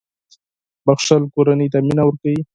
• بښل کورنۍ ته مینه ورکوي.